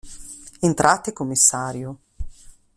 Entrate, commissario.